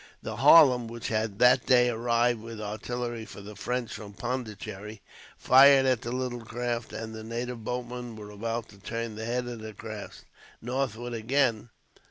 The Harlem, which had that day arrived with artillery for the French from Pondicherry, fired at the little craft; and the native boatmen were about to turn the head of the craft northward again.